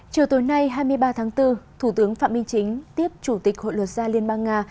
chiều tối nay hai mươi ba tháng bốn thủ tướng phạm minh chính tiếp chủ tịch hội luật gia liên bang nga